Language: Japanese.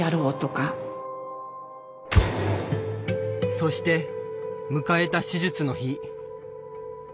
そして迎えた手術の日。